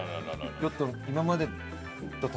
ちょっと今までと。